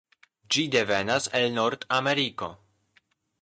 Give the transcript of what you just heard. Ĝi devenas el nordameriko.